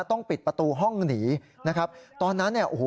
ต้องปิดประตูห้องหนีนะครับตอนนั้นเนี่ยโอ้โห